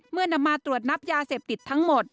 นำมาตรวจนับยาเสพติดทั้งหมด